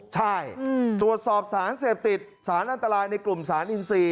ใช่ตรวจสอบสารเสพติดสารอันตรายในกลุ่มสารอินทรีย์